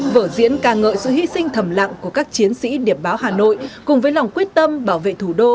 vở diễn ca ngợi sự hy sinh thầm lặng của các chiến sĩ điệp báo hà nội cùng với lòng quyết tâm bảo vệ thủ đô